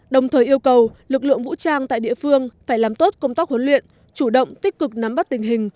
đồng thời yêu cầu lực lượng vũ trang tại địa phương phải làm tốt công tác huấn luyện chủ động tích cực nắm bắt tình hình